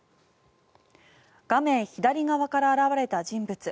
画面左側から現れた人物。